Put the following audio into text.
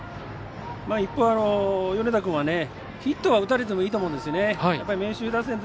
一方、米田君はヒットは打たれてもいいと思うんですよね。